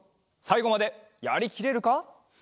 さいごまでやりきれるか？